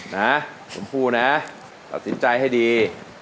นะชมพู่นะตัดสินใจให้ดี